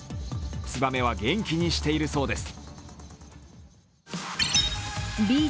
ツバメは元気にしているそうです。